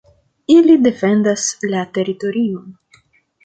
Ili defendas la teritorion.